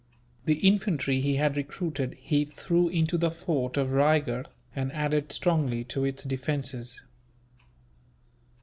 The infantry he had recruited he threw into the fort of Raygurh, and added strongly to its defences.